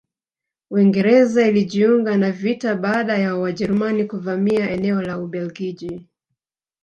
Uingereza ilijiunga na vita baada ya Wajerumani kuvamia eneo la Ubelgiji